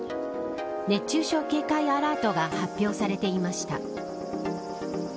熱中症警戒アラートが発表されていました。